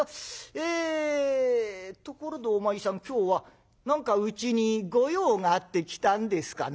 ええところでお前さん今日は何かうちに御用があって来たんですかな？」。